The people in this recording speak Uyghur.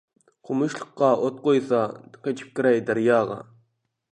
قومۇشلۇققا ئوت قويسا، قېچىپ كىرەي دەرياغا.